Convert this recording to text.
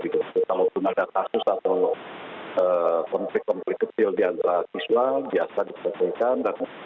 kalau ada kasus atau konflik konflik kecil di antara siswa